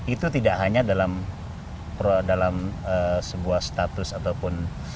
itu tidak hanya dalam sebuah status ataupun